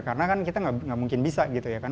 karena kan kita gak mungkin bisa gitu ya kan